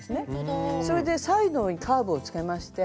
それでサイドにカーブをつけまして。